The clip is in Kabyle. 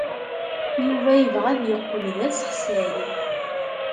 Yuba yebɣa ad yeqqel d asexsay.